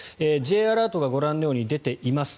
Ｊアラートがご覧のように出ています。